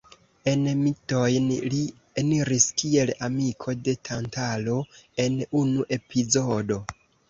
En mitojn li eniris kiel amiko de Tantalo en unu epizodo.